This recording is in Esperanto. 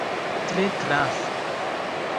Tre trafe!